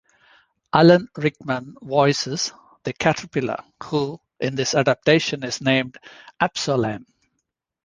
Alan Rickman voices the Caterpillar, who in this adaptation is named "Absolem".